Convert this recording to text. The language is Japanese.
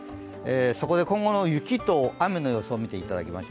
今後の雪と雨の予想を見ていただきましょう。